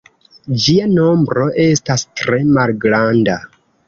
Ĝia nombro estas tre malgranda.